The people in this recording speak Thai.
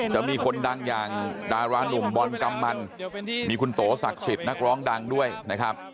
จะมีคนดังอย่างดารานุ่มบอลกำมันมีคุณโตศักดิ์สิทธิ์นักร้องดังด้วยนะครับ